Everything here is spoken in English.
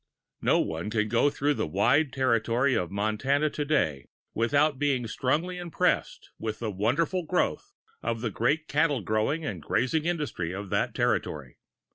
No one can go through the wide territory of Montana to day without being strongly impressed with the wonderful growth of the great cattle growing and grazing industry of that territory.